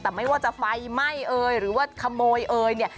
แต่ไม่ว่าจะไฟไหม้เอ่ยหรือว่าขโมยเอยเนี่ย